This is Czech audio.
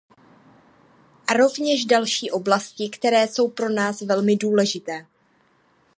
A rovněž další oblasti, které jsou pro nás velmi důležité.